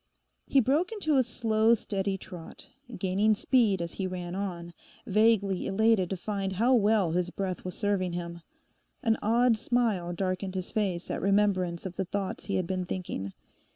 He broke into a slow, steady trot, gaining speed as he ran on, vaguely elated to find how well his breath was serving him. An odd smile darkened his face at remembrance of the thoughts he had been thinking.